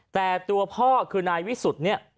แต่ตัวพ่อคือนายวิสุทธิ์เนี่ย